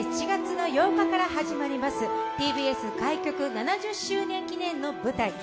７月８日から始まりますＴＢＳ開局７０周年記念の舞台